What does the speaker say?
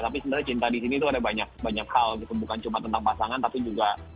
tapi sebenarnya cinta di sini tuh ada banyak hal gitu bukan cuma tentang pasangan tapi juga